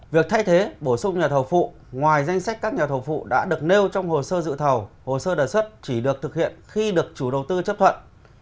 việc thay thế bổ sung nhà thầu phụ ngoài danh sách các nhà thầu vụ đã được nêu trong hồ sơ dự thầu hồ sơ đề xuất chỉ được thực hiện khi được chủ đầu tư chấp thuận